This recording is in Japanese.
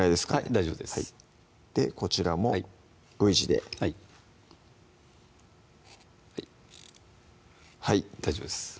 大丈夫ですこちらもＶ字ではいはいはい大丈夫です